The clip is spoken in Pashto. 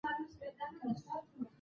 کلتور د افغانستان د بشري فرهنګ برخه ده.